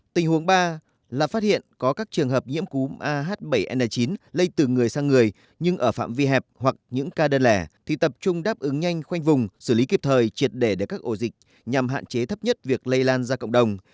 tình huống ba là phát hiện có các trường hợp nhiễm cúm ah bảy n chín lây từ người sang người nhưng ở phạm vi hẹp hoặc những ca đơn lẻ thì tập trung đáp ứng nhanh khoanh vùng xử lý kịp thời triệt để được các ổ dịch nhằm hạn chế thấp nhất việc lây lan ra cộng đồng